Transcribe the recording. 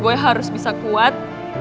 gue harus bisa kuat